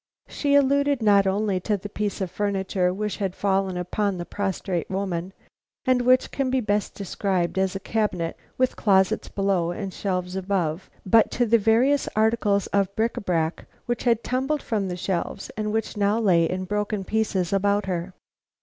She alluded not only to the piece of furniture which had fallen upon the prostrate woman, and which can best be described as a cabinet with closets below and shelves above, but to the various articles of bric à brac which had tumbled from the shelves, and which now lay in broken pieces about her.